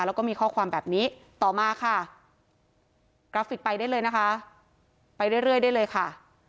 แล้วก็มีข้อความแบบนี้ต่อมาค่ะกราฟิกไปได้เลยนะคะไปเรื่อยได้เลยค่ะ